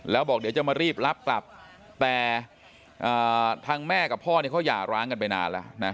แล้วบอกเดี๋ยวจะมารีบรับกลับแต่ทางแม่กับพ่อเนี่ยเขาหย่าร้างกันไปนานแล้วนะ